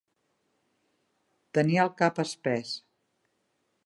Tenir el cap espès.